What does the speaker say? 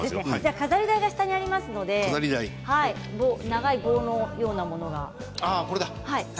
飾り台が下にありますので長い棒のようなものです。